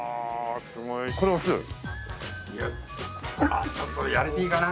あっちょっとやりすぎかな？